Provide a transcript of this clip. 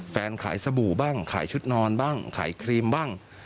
ขายสบู่บ้างขายชุดนอนบ้างขายครีมบ้าง